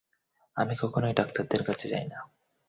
আমি কখনই ডাক্তারদের কাছে যাই না।